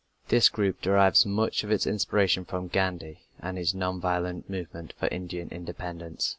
This group derives much of its inspiration from Gandhi and his non violent movement for Indian independence.